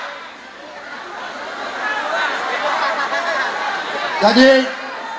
jadi tertib aman damai bersatu